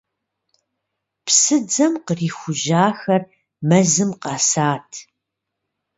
Псыдзэм кърихужьахэр мэзым къэсат.